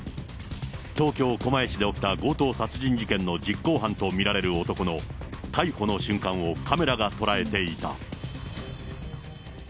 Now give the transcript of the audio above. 東京・狛江市で起きた強盗殺人事件の実行犯と見られる男の逮捕の瞬間をカメラが捉えていた。